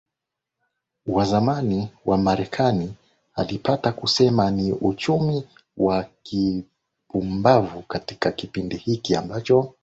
wa zamani wa Marekani alipata kusema ni uchumi wa kipumbavuKatika kipindi hiki ambacho